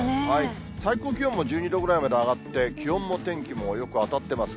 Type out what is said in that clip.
最高気温も１２度ぐらいまで上がって、気温も天気もよく当たってます。